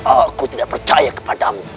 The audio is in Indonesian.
aku tidak percaya kepadamu